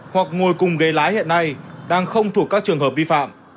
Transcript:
hoặc ngồi cùng ghế lái hiện nay đang không thuộc các trường hợp vi phạm